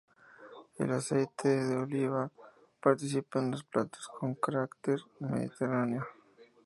El aceite de oliva participa en los platos con carácter mediterráneo.